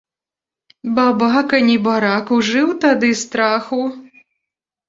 Бабака, небарак, ужыў тады страху!